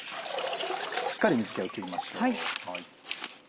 しっかり水気を切りましょう。